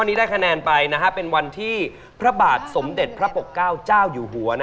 วันนี้ได้คะแนนไปเป็นวันที่พระบาทสมเด็จพระปกเก้าเจ้าอยู่หัว